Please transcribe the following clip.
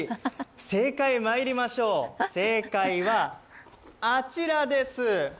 正解まいりましょう正解はあちらです。